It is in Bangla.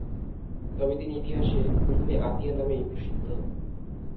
তবে তিনি ইতিহাসে উম্মে আতিয়া নামেই প্রসিদ্ধ।